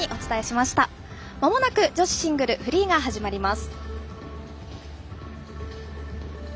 まもなく女子シングルフリーが始まります。